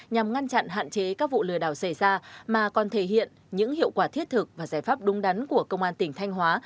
nhằm ngăn chặn hạn chế các vụ lừa đảo xảy ra mà còn thể hiện những hiệu quả thiết thực và giải pháp đúng đắn của công an tỉnh thanh hóa